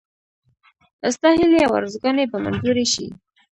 ستا هیلې او آرزوګانې به منظوري شي.